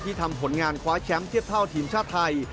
ทำผลงานคว้าแชมป์เทียบเท่าทีมชาติไทย